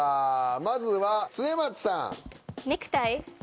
まずは恒松さん。